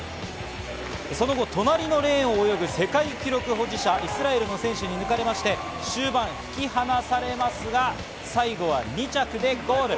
その後、隣のレーンを泳ぐ世界記録保持者、イスラエルの選手に抜かれ終盤引き離されますが、最後は２着でゴール。